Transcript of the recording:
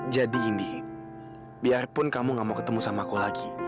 jadi indy biarpun kamu gak mau ketemu sama aku lagi